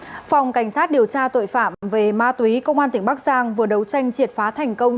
phòng cảnh sát điều tra tội phạm về ma túy công an tỉnh bắc giang vừa đấu tranh triệt phá thành công